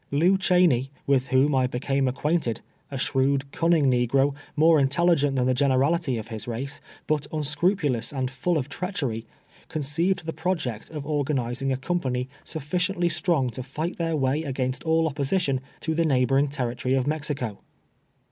Lew Cheney, with whom I became acquainted — a shrewd, cunning negro, more intelligent than the generality of his race, but unscrupulous and full of treachery — conceived the project of organizing a com pany sufficiently strong to fight their way against all opposition, to the neighboring territory of Mexico.